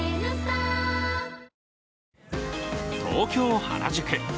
東京・原宿。